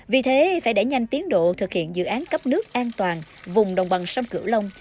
vì thế phải đẩy nhanh tiến độ thực hiện dự án cấp nước an toàn vùng đồng bằng sông cửu long